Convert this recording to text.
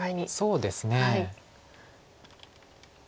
そうですね。